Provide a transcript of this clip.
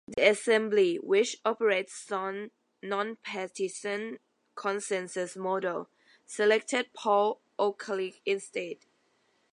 The Assembly, which operates on a nonpartisan consensus model, selected Paul Okalik instead.